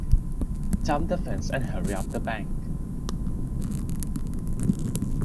Jump the fence and hurry up the bank.